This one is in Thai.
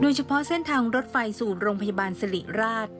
เฉพาะเส้นทางรถไฟสู่โรงพยาบาลสิริราช